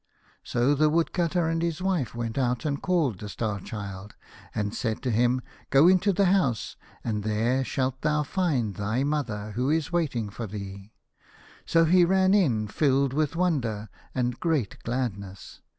So the Woodcutter and his wife went out and called to the Star Child, and said to him, " Go into the house, and there shalt thou find thy mother, who is waiting for thee." So he ran in, filled with wonder and great gladness.